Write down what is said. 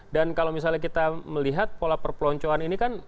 dan kalau misalnya kita melihat pola perpeloncoan ini kan